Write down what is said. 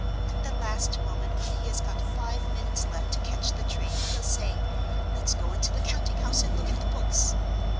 At the last moment when he has got five minutes left to catch the train, he'll say: 'Let's go into the counting house and look at the books.